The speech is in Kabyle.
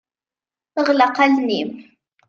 Ɣleq allen-im.